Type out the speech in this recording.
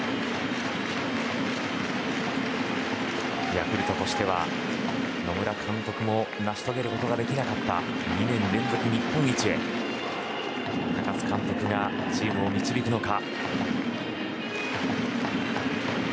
ヤクルトとしては、野村監督も成し遂げることができなかった２年連続日本一へ高津監督がチームを導くのか。